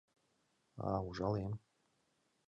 А... ужалем...